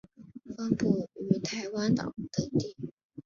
分布于台湾岛等地。